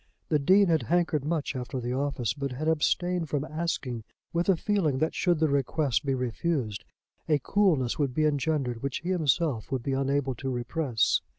The Dean had hankered much after the office, but had abstained from asking with a feeling that should the request be refused a coolness would be engendered which he himself would be unable to repress.